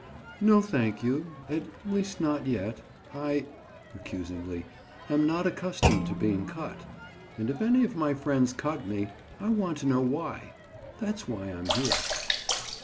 "No, thank you. At least, not yet. I," accusingly, "am not accustomed to being cut, and if any of my friends cut me, I want to know why. That's why I am here."